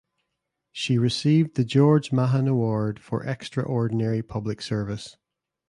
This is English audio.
She received the George Mahon Award for Extraordinary Public Service.